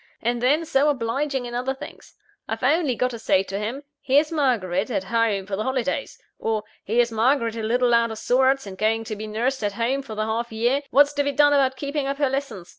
And then, so obliging in other things. I've only got to say to him: 'Here's Margaret at home for the holidays;' or, 'Here's Margaret a little out of sorts, and going to be nursed at home for the half year what's to be done about keeping up her lessons?